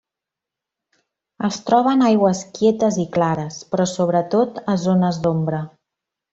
Es troba en aigües quietes i clares, però sobretot a zones d’ombra.